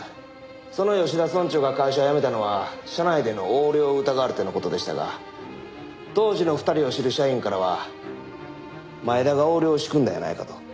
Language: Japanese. その吉田村長が会社を辞めたのは社内での横領を疑われての事でしたが当時の２人を知る社員からは前田が横領を仕組んだんやないかと。